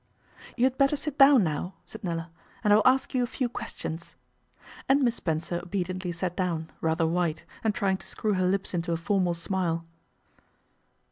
'You had better sit down now,' said Nella, 'and I will ask you a few questions.' And Miss Spencer obediently sat down, rather white, and trying to screw her lips into a formal smile.